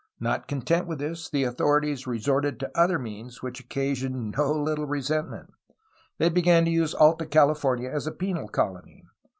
Not content with this, the authorities resorted to other means which occasioned no Httle resentment. They began to use Alta California as a penal colony.